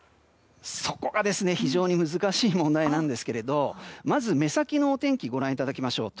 そこが非常に難しい問題なんですがまず目先のお天気ご覧いただきましょう。